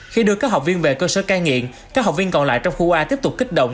khi đưa các học viên về cơ sở cai nghiện các học viên còn lại trong khu a tiếp tục kích động